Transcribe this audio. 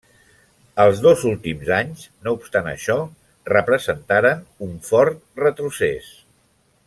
Els dos últims anys, no obstant això, representaren un fort retrocés.